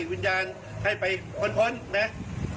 ส่งวิญญาณให้ไปพ้นแม็กซ์